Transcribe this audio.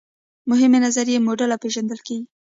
مهمې نظریې موډل او پیژندل کیږي.